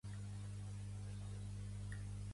Vull canviar l'escriptura tifinagh a català.